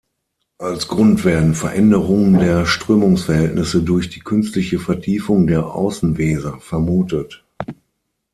Als Grund werden Veränderungen der Strömungsverhältnisse durch die künstliche Vertiefung der Außenweser vermutet.